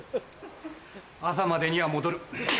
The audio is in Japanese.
朝までには戻る。